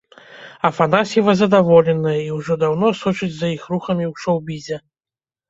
Афанасьева задаволеная, і ўжо даўно сочыць за іх рухамі ў шоўбізе.